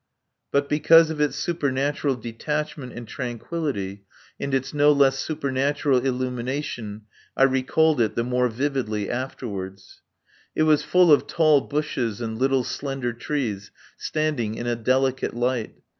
But because of its supernatural detachment and tranquillity and its no less supernatural illumination I recalled it the more vividly afterwards. It was full of tall bushes and little slender trees standing in a delicate light.